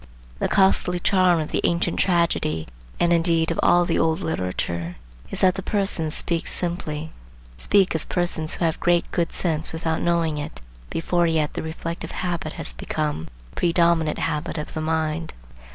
The costly charm of the ancient tragedy, and indeed of all the old literature, is that the persons speak simply,—speak as persons who have great good sense without knowing it, before yet the reflective habit has become the predominant habit of the mind.